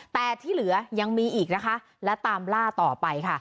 แต่ที่เหลือยังมีอีกนะคะและตามล่าต่อไปค่ะ